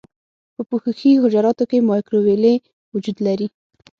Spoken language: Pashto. په پوښښي حجراتو کې مایکروویلې وجود لري.